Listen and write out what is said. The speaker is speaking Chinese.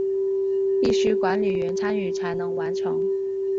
必须管理员参与才能完成。